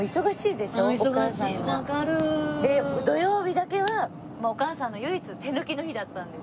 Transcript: で土曜日だけはお母さんの唯一手抜きの日だったんです。